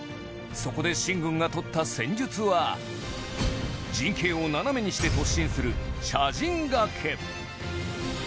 そこで秦軍が取った戦術は陣形を斜めにして突進する斜陣がけ